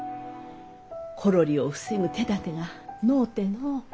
コロリを防ぐ手だてがのうてのう。